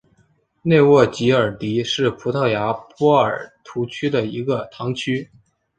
内沃吉尔迪是葡萄牙波尔图区的一个堂区。